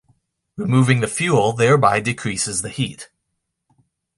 Removing the fuel thereby decreases the heat.